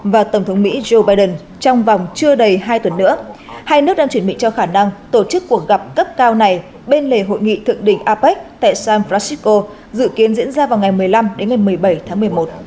và tổng thống mỹ joe biden trong vòng chưa đầy hai tuần nữa hai nước đang chuẩn bị cho khả năng tổ chức cuộc gặp cấp cao này bên lề hội nghị thượng đỉnh apec tại san francisco dự kiến diễn ra vào ngày một mươi năm đến ngày một mươi bảy tháng một mươi một